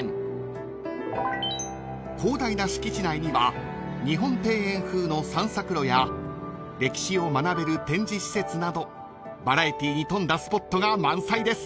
［広大な敷地内には日本庭園風の散策路や歴史を学べる展示施設などバラエティーに富んだスポットが満載です］